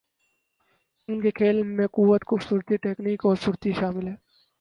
ان کے کھیل میں قوت، خوبصورتی ، تکنیک اور پھرتی شامل ہے۔